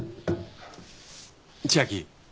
千明。